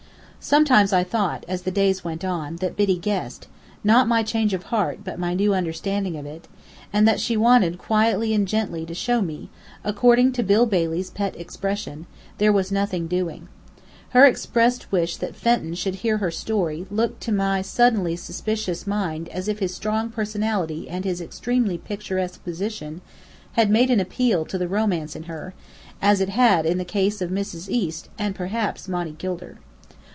Sometimes I thought, as the days went on, that Biddy guessed not my change of heart, but my new understanding of it: and that she wanted quietly and gently to show me, according to Bill Bailey's pet expression, there was "nothing doing." Her expressed wish that Fenton should hear her story, looked to my suddenly suspicious mind as if his strong personality and his extremely picturesque position had made an appeal to the romance in her, as it had in the case of Mrs. East and perhaps Monny Gilder.